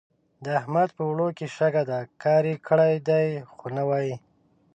د احمد په اوړو کې شګه ده؛ کار يې کړی دی خو نه وايي.